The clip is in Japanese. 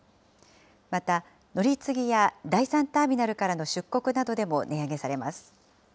また、乗り継ぎや第３ターミナルからの出国などでも値上げされます。